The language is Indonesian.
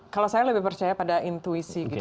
kalau saya lebih percaya pada intuisi gitu